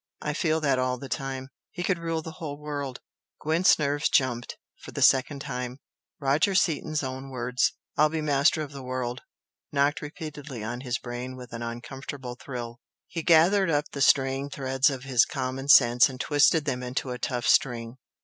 I feel that all the time. He could rule the whole world!" Gwent's nerves "jumped" for the second time. Roger Seaton's own words "I'll be master of the world" knocked repeatingly on his brain with an uncomfortable thrill. He gathered up the straying threads of his common sense and twisted them into a tough string.